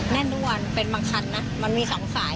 แน่นทุกวันเป็นบางคันนะมันมี๒สาย